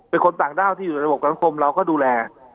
เป็นคนต่างด้าวที่อยู่ระบบสังคมเราก็ดูแล